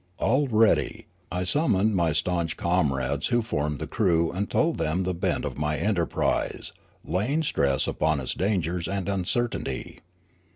All ready, I summoned my staunch comrades who formed the crew and told them the bent of my enterprise, laying stress upon its dangers and uncertainty.